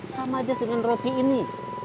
sama aja dengan roti ini